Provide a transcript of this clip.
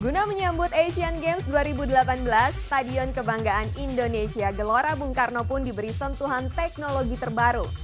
guna menyambut asian games dua ribu delapan belas stadion kebanggaan indonesia gelora bung karno pun diberi sentuhan teknologi terbaru